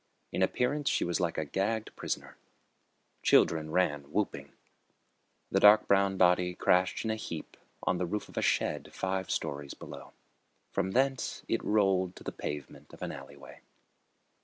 In appearance she was like a gagged prisoner. Children ran whooping. The dark brown body crashed in a heap on the roof of a shed five stories below. From thence it rolled to the pavement of an alleyway.